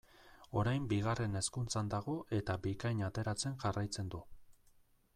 Orain Bigarren Hezkuntzan dago eta Bikain ateratzen jarraitzen du.